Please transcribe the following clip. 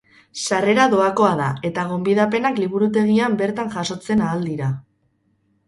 Sarrera doakoa da eta gonbidapenak liburutegian bertan jasotzen ahal dira.